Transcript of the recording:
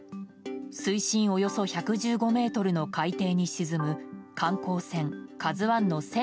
水深およそ１１５ｍの海底に沈む観光船